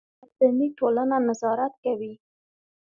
مدني ټولنه نظارت کوي